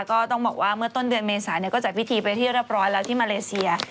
ก็ต้องบอกว่าเมื่อต้นเดือนเมษาก็จัดพิธีไปที่เรียบร้อยแล้วที่มาเลเซีย